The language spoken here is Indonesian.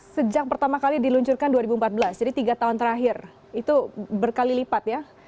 sejak pertama kali diluncurkan dua ribu empat belas jadi tiga tahun terakhir itu berkali lipat ya